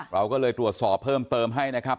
เราก็เลยตรวจสอบเพิ่มเติมให้นะครับ